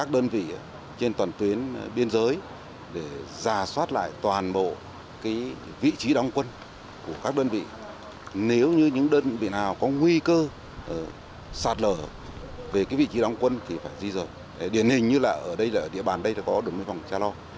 điển hình như là ở địa bàn đây có đồn biên phòng cha lo